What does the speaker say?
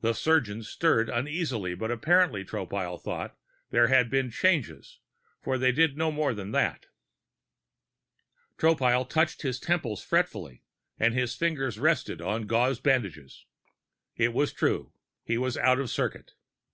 The surgeons stirred uneasily, but apparently, Tropile thought, there had been changes, for they did no more than that. Tropile touched his temples fretfully and his fingers rested on gauze bandages. It was true: he was out of circuit.